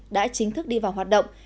đã chính thức đi vào hoạt động